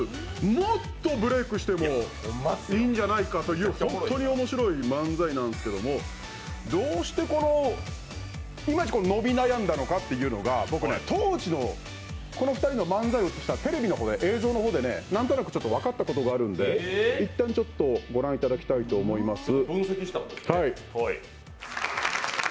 もっとブレークしてもいいんじゃないかという、本当に面白い漫才なんですけどもどうしてこのいまいち伸び悩んだのかっていうのが当時のこの２人の漫才を映したテレビの映像で何となくちょっと分かったことがあるんで、一旦ご覧いただきたいと思います。